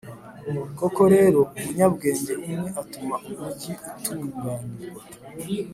Koko rero, umunyabwenge umwe atuma umugi utunganirwa,